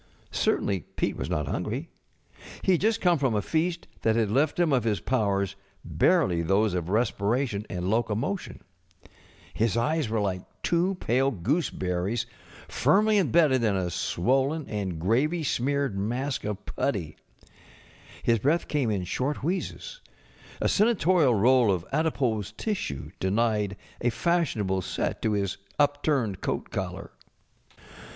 Certainly Pete w^as not hungry. He had just come from a feast that had left him of his powders barely those of respiration and locomotion. His eyes were like tw^o pale gooseberries firmly imbedded in a swol┬¼ len and gravy smeared mask of putty. His breath came in short wheezes; a senatorial roll of adipose tissue denied a fashionable set to his upturned coat collar.